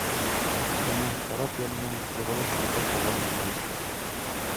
Кәмә, карап янынан ҡуҙғалып, ярға табан йүнәлде.